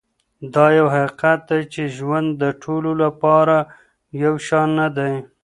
دا یو حقیقت دی چې ژوند د ټولو لپاره یو شان نه دی.